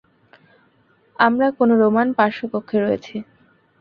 আমরা কোনো রোমান পার্শ্বকক্ষে রয়েছি।